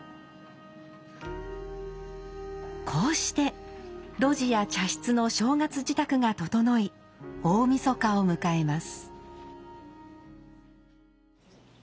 こうして露地や茶室の正月支度が調い大晦日を迎えます。